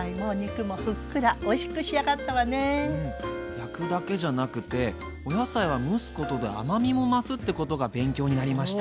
焼くだけじゃなくてお野菜は蒸すことで甘みも増すってことが勉強になりました。